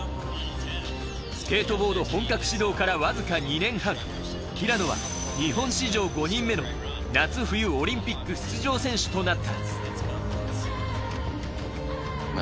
スケートボード本格始動からわずか２年半、平野は日本史上５人目の夏冬オリンピック出場の選手となった。